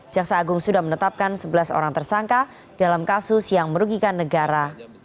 jaksa agung sudah menetapkan sebelas orang tersangka dalam kasus yang merugikan negara